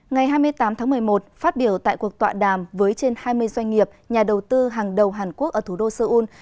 ngày hai mươi tám tháng một mươi một phát biểu tại cuộc tọa đàm với trên hai mươi doanh nghiệp nhà đầu tư hàng đầu hàn quốc ở thủ đô seoul